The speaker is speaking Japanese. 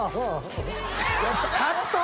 カット。